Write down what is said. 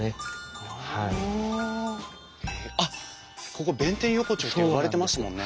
あっここ弁天横丁って呼ばれてますもんね。